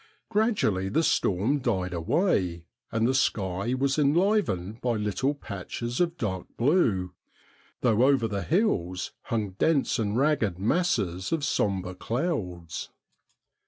Gradually the storm died away, and the sky was enlivened by little patches of dark blue, JOHN MACDOUGAL'S DOUBLE 83 though over the hills hung dense and ragged masses of sombre clouds.